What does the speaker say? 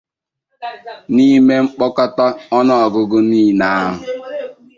N'ime mkpokọta ọnụọgụgụ niile ahụ